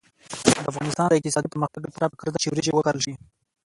د افغانستان د اقتصادي پرمختګ لپاره پکار ده چې وریجې وکرل شي.